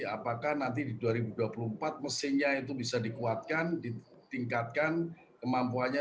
apakah nanti di dua ribu dua puluh empat mesinnya itu bisa dikuatkan ditingkatkan kemampuannya